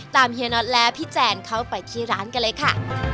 เฮียน็อตและพี่แจนเข้าไปที่ร้านกันเลยค่ะ